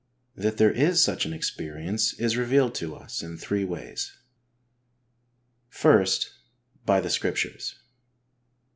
That there is such an experience is revealed to us in three ways : I. By the Scriptures.